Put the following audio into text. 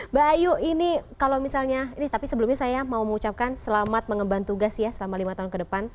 mbak ayu ini kalau misalnya ini tapi sebelumnya saya mau mengucapkan selamat mengemban tugas ya selama lima tahun ke depan